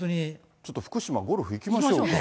ちょっと福島、ゴルフ行きましょう。